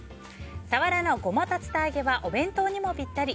サワラのゴマ竜田揚げはお弁当にもぴったり。